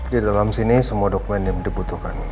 di dalam sini semua dokumen dibutuhkan